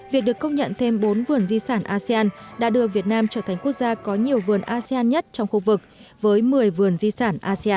việc được công nhận thêm bốn vườn di sản asean đã đưa việt nam trở thành quốc gia có nhiều vườn asean nhất trong khu vực với một mươi vườn di sản asean